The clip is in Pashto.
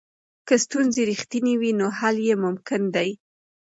که ستونزې رښتینې وي نو حل یې ممکن دی.